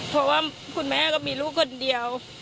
เพราะว่าคุณแม่ก็มีลูกคนเดียว